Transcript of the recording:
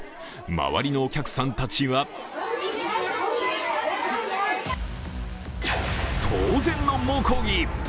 周りのお客さんたちは当然の猛抗議。